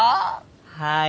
はい。